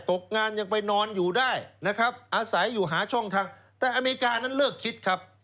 ตกงานยังไปนอนอยู่ได้นะครับอาศัยอยู่หาช่องทางแต่อเมริกานั้นเลิกคิดครับ